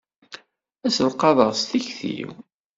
Ad selqaḍeɣ di tikti-w.